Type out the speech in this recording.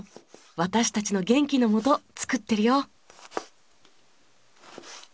私たちの元気のもと作ってるよ。